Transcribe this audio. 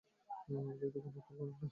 উদয়াদিত্য কোনো উত্তর করেন না।